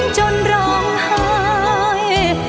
โปรดติดตามต่อไป